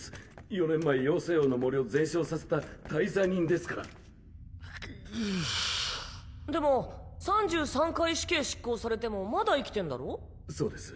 ４年前妖精王の森を全焼させた大罪人ですからふぁでも３３回死刑執行されてもまだ生そうです。